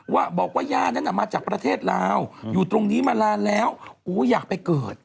ว่าบอกว่าย่านั้นมาจากประเทศลาวอยู่ตรงนี้มานานแล้วโอ้อยากไปเกิด